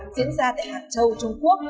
diễn ra tại hạng châu trung quốc